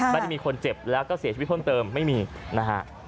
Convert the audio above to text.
ไม่ได้มีคนเจ็บแล้วก็เสียชีวิตเพิ่มเติมไม่มีนะฮะ